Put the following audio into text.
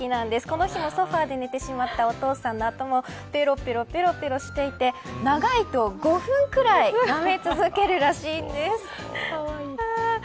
この日もソファーで寝てしまったお父さんの頭をぺろぺろしていて長いと５分くらい舐め続けるらしいんです。